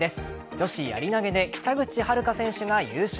女子やり投げで北口榛花選手が優勝。